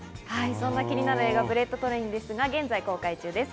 そんな気になる映画『ブレット・トレイン』、現在公開中です。